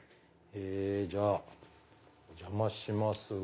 じゃあお邪魔します。